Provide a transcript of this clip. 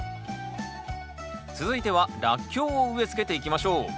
続いてはラッキョウを植え付けていきましょう。